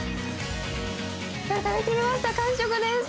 食べきりました完食です。